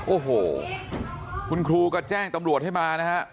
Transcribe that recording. โอ้โหคุณครูก็แจ้งตำรวจให้มานะฮะ